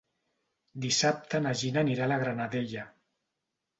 Dissabte na Gina anirà a la Granadella.